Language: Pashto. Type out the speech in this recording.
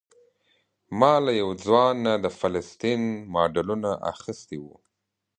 ما له یو ځوان نه د فلسطین ماډلونه اخیستي وو.